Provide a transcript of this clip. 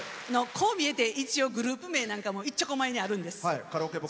こう見えて一応グループ名なんかもいっちょこ前にあるんです。